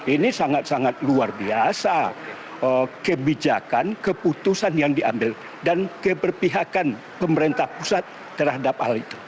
ini sangat sangat luar biasa kebijakan keputusan yang diambil dan keberpihakan pemerintah pusat terhadap hal itu